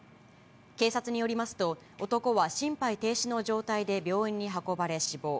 警察によりますと、男は心肺停止の状態で病院に運ばれ死亡。